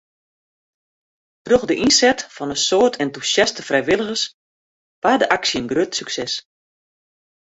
Troch de ynset fan in soad entûsjaste frijwilligers waard de aksje in grut sukses.